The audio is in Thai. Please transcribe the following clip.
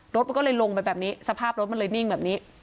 รถมันก็เลยลงไปแบบนี้สภาพรถมันเลยนิ่งแบบนี้